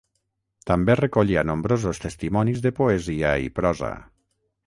També recollia nombrosos testimonis de poesia i prosa.